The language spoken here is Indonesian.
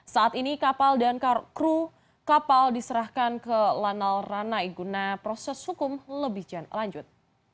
saat ini kapal dan kru kapal diserahkan ke lanal ranai guna proses hukum lebih lanjut